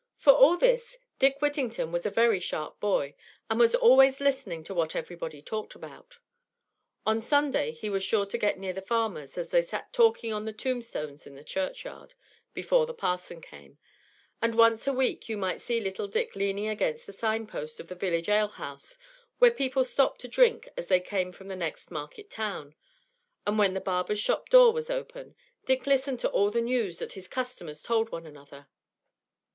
For all this Dick Whittington was a very sharp boy, and was always listening to what everybody talked about. On Sunday he was sure to get near the farmers, as they sat talking on the tombstones in the churchyard, before the parson came; and once a week you might see little Dick leaning against the sign post of the village alehouse, where people stopped to drink as they came from the next market town; and when the barber's shop door was open, Dick listened to all the news that his customers told one another.